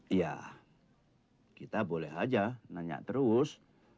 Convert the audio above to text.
iya kita boleh aja nanya terus